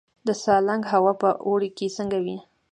د سالنګ هوا په اوړي کې څنګه وي؟